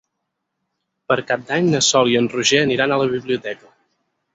Per Cap d'Any na Sol i en Roger aniran a la biblioteca.